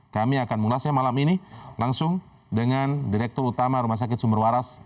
kami akan mengulasnya malam ini langsung dengan direktur utama rumah sakit sumber waras